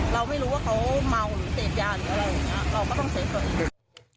เราไม่รู้ว่าเขาเมาหรือเสพยาหรืออะไรอย่างนี้เราก็ต้องเซฟตัวเอง